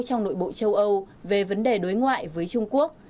trong nội bộ châu âu về vấn đề đối ngoại với trung quốc